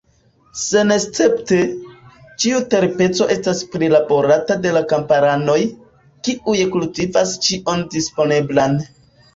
Senescepte, ĉiu terpeco estas prilaborata de la kamparanoj, kiuj kultivas ĉion disponeblan.